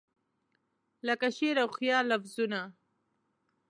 لکه شعر او خیال لفظونه